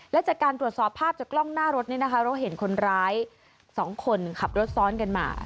และจากการตรวจสอบภาพจากกล้องหน้ารถเราเห็นคนร้าย๒คนขับรถซ้อนกันมา